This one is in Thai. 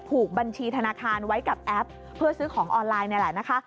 บัญชีธนาคารไว้กับแอปเพื่อซื้อของออนไลน์นี่แหละนะคะ